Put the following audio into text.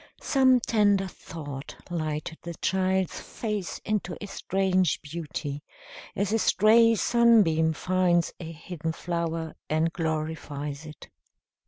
Some tender thought lighted the child's face into a strange beauty, as a stray sunbeam finds a hidden flower and glorifies it.